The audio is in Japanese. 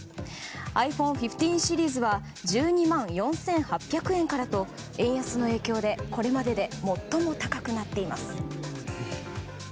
ｉＰｈｏｎｅ１５シリーズは１２万４８００円からと円安の影響で、これまでで最も高くなっています。